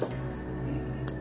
うん。